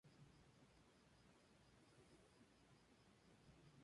Fue hecho prisionero y sometido a diversos traslados.